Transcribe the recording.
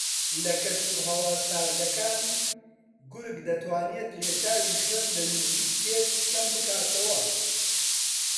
لە کەش و ھەوا ساردەکان گورگ دەتوانێت لێشاوی خوێن لە نزیک پێست کەم بکاتەوە